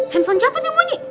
handphone siapa tuh bunyi